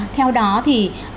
theo đó thì